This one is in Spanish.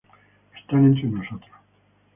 Están entre nosotros